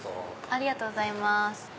ありがとうございます。